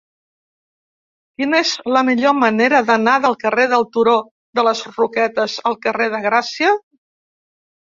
Quina és la millor manera d'anar del carrer del Turó de les Roquetes al carrer de Gràcia?